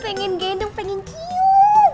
pengen gedung pengen cium